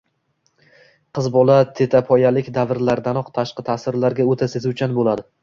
Qiz bola tetapoyalik davrdanoq tashqi ta’sirlarga o‘ta sezuvchan bo‘ladi.